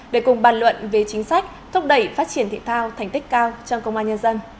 để cùng bàn luận về chính sách thúc đẩy phát triển thể thao thành tích cao trong công an nhân dân